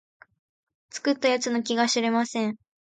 作った奴の気が知れません